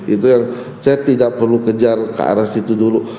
itu yang saya tidak perlu kejar ke arah situ dulu